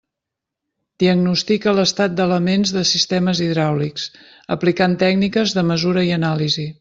Diagnostica l'estat d'elements de sistemes hidràulics, aplicant tècniques de mesura i anàlisi.